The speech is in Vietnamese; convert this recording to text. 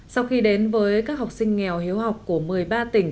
sau khi đến với các học sinh nghèo hiếu học của một mươi ba tỉnh